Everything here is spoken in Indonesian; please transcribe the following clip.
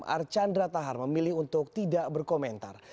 archandra tahar memilih untuk tidak berkomentar